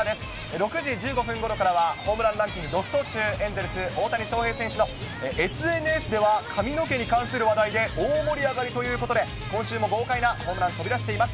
６時１５分ごろからは、ホームランランキング独走中、エンゼルス、大谷翔平選手の、ＳＮＳでは髪の毛に関する話題で大盛り上がりということで、今週も豪快なホームラン、飛び出しています。